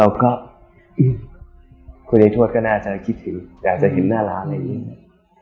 แล้วก็คนในทวดก็น่าจะคิดถึงน่าจะเห็นน่ารักอะไรอย่างนี้